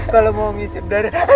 kalau mau ngicip darah